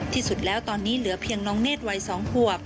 ที่สุดแล้วตอนนี้เหลือเพียงน้องเนธวัย๒ขวบ